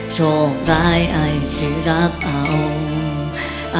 โชคดายไอ้จะรับเอา